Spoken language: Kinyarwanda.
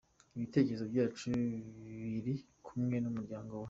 Ibitekerezo byacu biri kumwe n’umuryango we.